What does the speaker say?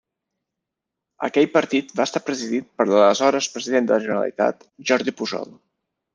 Aquell partit va estar presidit per l'aleshores president de la Generalitat, Jordi Pujol.